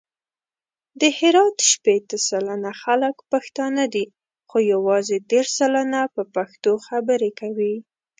د هرات شپېته سلنه خلګ پښتانه دي، خو یوازې دېرش سلنه په پښتو خبري کوي.